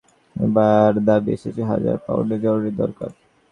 এবার দাবি এসেছে হাজার পাউন্ডের– জরুরি দরকার।